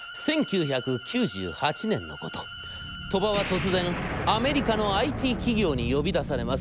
鳥羽は突然アメリカのＩＴ企業に呼び出されます。